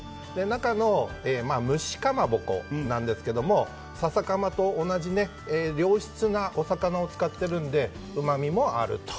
中の蒸しかまぼこなんですけど笹かまと同じ良質なお魚を使ってるのでうまみもあると。